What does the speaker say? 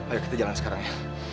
ayo kita jalan sekarang ya